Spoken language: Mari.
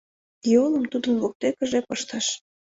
Йолым Тудын воктекыже пыштыш.